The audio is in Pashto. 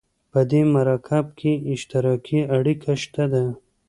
په دې مرکب کې اشتراکي اړیکه شته ده.